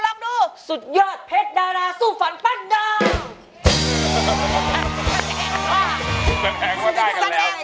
รับดูสุดยอดเพชรดาราสู้ฝันปั้นดาว